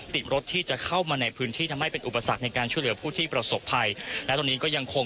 ติดมรดที่จะเข้ามาในพื้นที่ทำให้เป็นอุปสรรคในการช่วยเหลือผู้ที่ประสบภัย